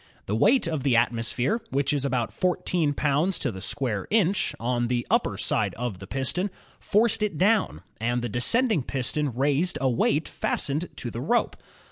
The weight of the atmosphere, which is about fourteen pounds to the square inch, on the upper side of the piston, forced it down, and the descending piston raised a weight fastened to the rope.